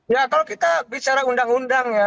ya kalau kita bicara undang undang ya